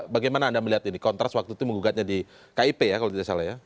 bagaimana anda melihat ini kontras waktu itu menggugatnya di kip ya kalau tidak salah ya